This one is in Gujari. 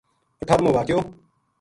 اٹھارمو واقعو